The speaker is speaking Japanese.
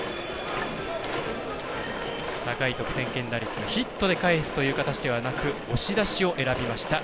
高い得点圏打率ヒットでかえすという形ではなく押し出しを選びました。